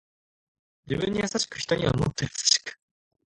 自分に優しく人にはもっと優しく